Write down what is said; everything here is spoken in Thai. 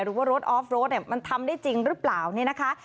หรือว่ารถออฟโรดเนี่ยมันทำได้จริงหรือเปล่าเนี่ยนะคะ